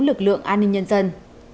lực lượng an ninh nhân dân